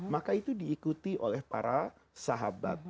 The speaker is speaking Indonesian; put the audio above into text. maka itu diikuti oleh para sahabat